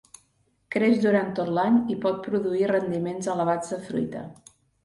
Creix durant tot l'any i pot produir rendiments elevats de fruita.